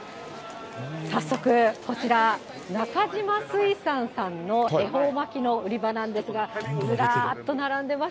早速、こちら、中島水産さんの恵方巻きの売り場なんですが、ずらーっと並んでま何？